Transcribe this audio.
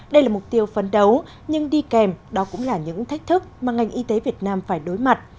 đây là mục tiêu phấn đấu nhưng đi kèm đó cũng là những thách thức mà ngành y tế việt nam phải đối mặt